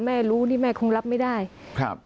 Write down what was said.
รู้นี่แม่คงรับไม่ได้ครับ